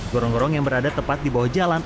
gorong gorong yang berada tepat di bawah jalan